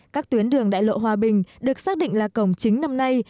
các tuyến đường đại lộ hòa bình được xác định là cổng chính năm nay